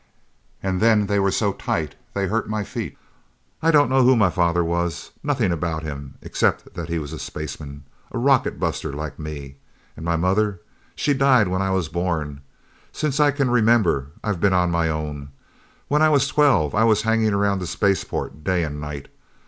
And then they were so tight, they hurt my feet. I don't know who my father was, nothing about him, except that he was a spaceman. A rocket buster, like me. And my mother? She died when I was born. Since I can remember, I've been on my own. When I was twelve, I was hanging around the spaceport day and night.